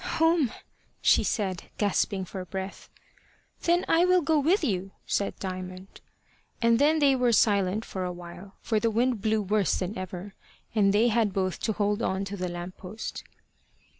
"Home," she said, gasping for breath. "Then I will go with you," said Diamond. And then they were silent for a while, for the wind blew worse than ever, and they had both to hold on to the lamp post.